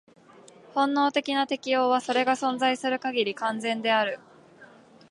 本能的な適応は、それが存在する限り、完全である。